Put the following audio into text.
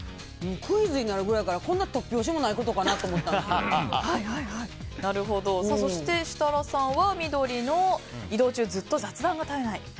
クイズになるくらいだからこんな突拍子のないことかなとそして、設楽さんは緑の移動中ずっと雑談が絶えない。